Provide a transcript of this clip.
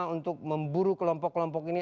untuk memburu kelompok kelompok ini